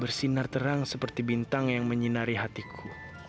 bersinar terang seperti bintang yang menyinari hatiku